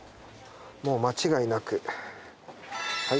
もう間違いなく。